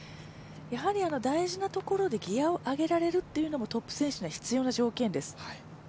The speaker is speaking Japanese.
やはり大事なところでギヤを上げられるというところもトップ選手に必要な条件です。